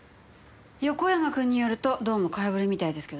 横山君によるとどうも空振りみたいですけどね。